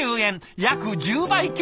約１０倍強！